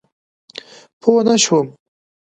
پوه نه شوم؟